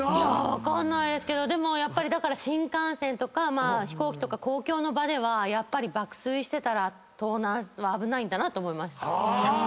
分かんないですけどだから新幹線とか飛行機とか公共の場ではやっぱり爆睡してたら盗難は危ないんだなと思いました。